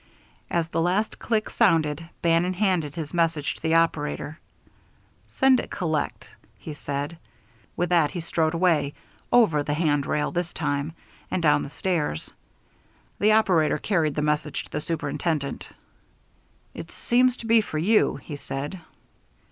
_ As the last click sounded, Bannon handed his message to the operator. "Send it collect," he said. With that he strode away, over the hand rail, this time, and down the stairs. The operator carried the message to the superintendent. "It seems to be for you," he said.